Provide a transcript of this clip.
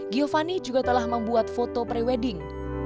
giovanni juga telah membuat foto pre wedding